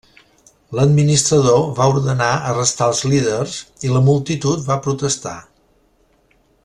L'administrador va ordenar arrestar als líders, i la multitud va protestar.